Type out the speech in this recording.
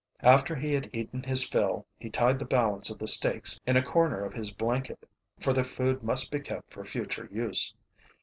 After he had eaten his fill, he tied the balance of the steaks in a corner of his blanket, for the food must be kept for future use.